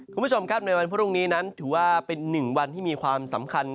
คุณผู้ชมครับในวันพรุ่งนี้นั้นถือว่าเป็น๑วันที่มีความสำคัญ